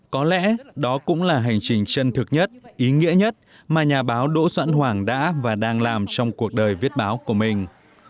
có lẽ đó cũng là hành trình chân thực nhất ý nghĩa nhất mà nhà báo đỗ doãn hoàng đã và đang làm trong cuộc đời viết báo của mình